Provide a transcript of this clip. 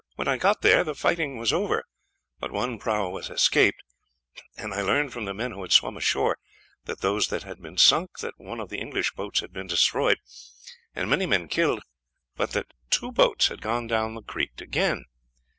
"When I got there the fighting was over, and but one prahu had escaped, and I learned from the men who had swum ashore from those that had been sunk that one of the English boats had been destroyed, and many men killed, but that two boats had gone down the creek again.